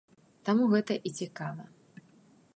Таму гэта і цікава.